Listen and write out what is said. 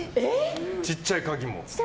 ちっちゃい鍵も。